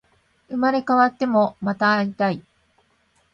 生まれ変わっても、また出会いたい